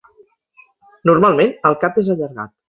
Normalment el cap és allargat.